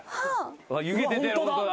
湯気出てる。